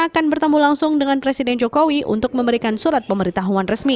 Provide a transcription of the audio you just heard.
akan bertemu langsung dengan presiden jokowi untuk memberikan surat pemberitahuan resmi